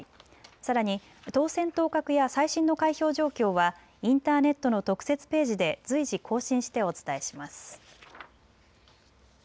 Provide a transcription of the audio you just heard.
さらに当選・当確や最新の開票状況はインターネットの特設ページで随時更新してお伝えします。